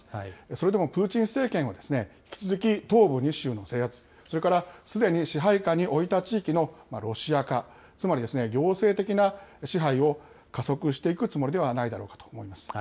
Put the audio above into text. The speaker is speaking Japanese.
それでもプーチン政権は、引き続き東部２州の制圧、それからすでに支配下に置いた地域のロシア化、つまり行政的な支配を加速していくつもりではないだろうかと思います。